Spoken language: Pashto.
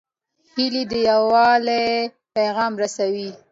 هیلۍ د یووالي پیغام رسوي